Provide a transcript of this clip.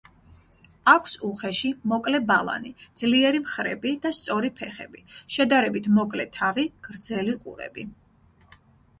აქვს უხეში, მოკლე ბალანი, ძლიერი მხრები და სწორი ფეხები, შედარებით მოკლე თავი, გრძელი ყურები.